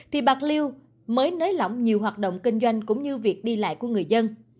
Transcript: thì bạc liêu mới nới lỏng nhiều hoạt động kinh doanh cũng như việc đi lại của người dân